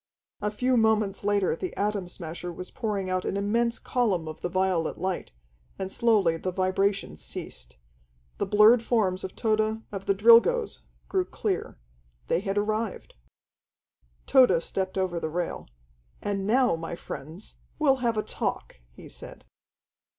A few moments later the Atom Smasher was pouring out an immense column of the violet light, and slowly the vibration ceased. The blurred forms of Tode, of the Drilgoes grew clear. They had arrived. Tode stepped over the rail. "And now, my friends, we'll have a talk," he said.